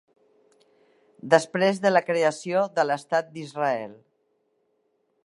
Després de la creació de l'Estat d'Israel.